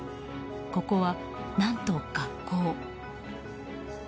ここは何と学校。